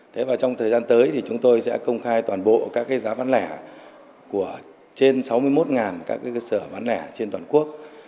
trong thời gian tới chúng tôi sẽ công khai toàn bộ các giá bán lẻ trên sáu mươi một các cơ sở bán lẻ trên toàn quốc